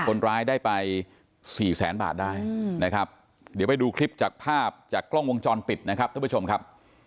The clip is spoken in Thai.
คนร้ายได้ไปสี่แสนบาทได้นะครับเดี๋ยวไปดูคลิปจากภาพจากกล้องวงจรปิดนะครับท่านผู้ชมครับ